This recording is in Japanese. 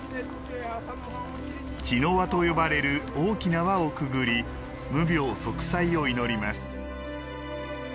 茅の輪と呼ばれる大きな輪をくぐり無病息災を祈ります。